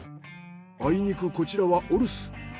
あいにくこちらはお留守。